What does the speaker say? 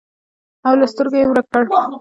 او له سترګو یې ورک کړ.